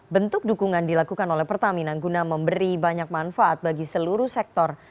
bentuk dukungan dilakukan oleh pertamina guna memberi banyak manfaat bagi seluruh sektor